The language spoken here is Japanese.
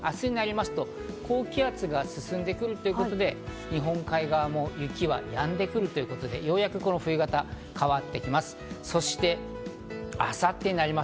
明日になりますと高気圧が進んでくるということで日本海側も雪はやんでくるということで、ようやく冬型が変わってきます。